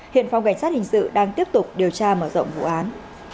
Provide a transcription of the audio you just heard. hiện phòng cảnh sát hình sự đang tiếp tục điều tra mở rộng vụ án